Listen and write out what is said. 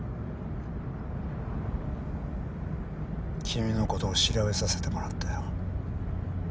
君の事を調べさせてもらったよ。